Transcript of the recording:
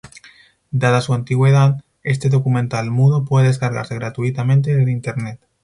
Dada su antigüedad, este documental mudo puede descargarse gratuitamente desde Internet.